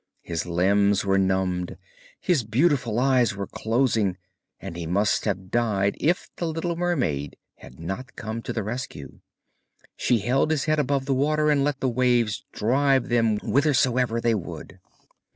His limbs were numbed, his beautiful eyes were closing, and he must have died if the little mermaid had not come to the rescue. She held his head above the water and let the waves drive them whithersoever they would.